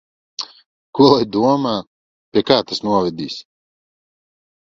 Ko lai domā? Pie kā tas novedīs?